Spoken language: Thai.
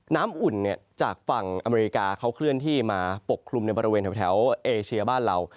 อุ่นจากฝั่งอเมริกาเขาเคลื่อนที่มาปกคลุมในบริเวณแถวเอเชียบ้านเรา